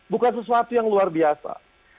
bukan sesuatu yang luar biasa